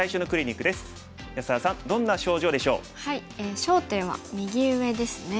焦点は右上ですね。